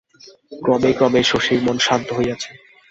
ক্রমে ক্রমে শশীর মন শান্ত হইয়াছে।